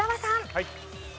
はい。